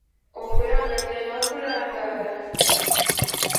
Okulangajja n'okulangaala?